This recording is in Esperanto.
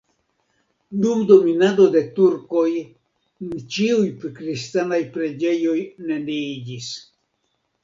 Dum dominado de turkoj ĉiuj kristanaj preĝejoj neniiĝis.